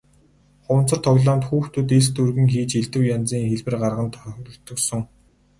Хуванцар тоглоомд хүүхдүүд элс дүүргэн хийж элдэв янзын хэлбэр гарган тоглодог сон.